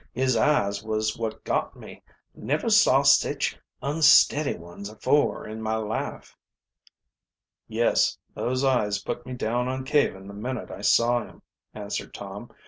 His eyes was wot got me never saw sech unsteady ones afore in my life." "Yes, those eyes put me down on Caven the minute I saw him," answered Tom.